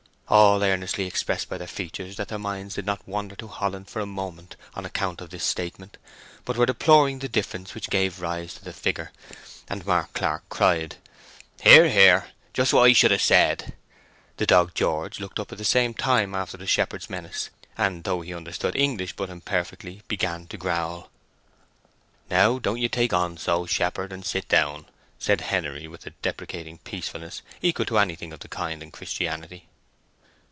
All earnestly expressed by their features that their minds did not wander to Holland for a moment on account of this statement, but were deploring the difference which gave rise to the figure; and Mark Clark cried "Hear, hear; just what I should ha' said." The dog George looked up at the same time after the shepherd's menace, and though he understood English but imperfectly, began to growl. "Now, don't ye take on so, shepherd, and sit down!" said Henery, with a deprecating peacefulness equal to anything of the kind in Christianity.